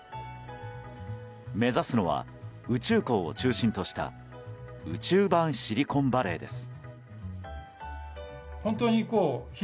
目指すのは宇宙港を中心とした宇宙版シリコンバレーです。